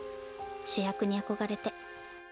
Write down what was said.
主役に憧れて。